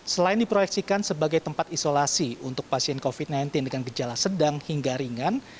selain diproyeksikan sebagai tempat isolasi untuk pasien covid sembilan belas dengan gejala sedang hingga ringan